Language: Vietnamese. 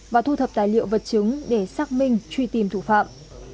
và thu thập tài liệu vật chứng để xác minh truy tìm thủ phạm